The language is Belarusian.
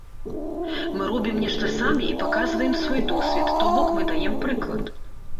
Мы робім нешта самі і паказваем свой досвед, то бок мы даем прыклад.